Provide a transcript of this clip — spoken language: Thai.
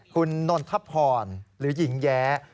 คุณนนทพรหรือหญิงแย้